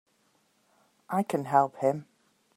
I can help him!